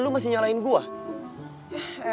lo masih nyalain gue